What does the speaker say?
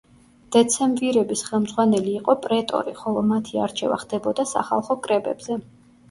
დეცემვირების ხელმძღვანელი იყო პრეტორი, ხოლო მათი არჩევა ხდებოდა სახალხო კრებებზე.